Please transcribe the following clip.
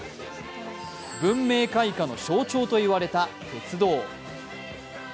文明開化の象徴といわれた鉄道。